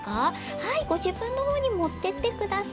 はいごじぶんのほうにもってってください。